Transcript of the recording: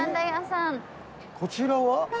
こちらは？